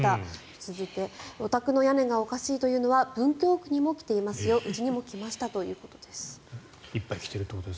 続いてお宅の屋根がおかしいというのは文京区にも来ていますようちにも来ましたということです。